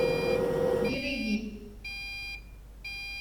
Diri-yi.